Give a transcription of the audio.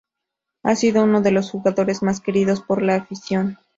Ha sido uno de los jugadores más queridos por la afición.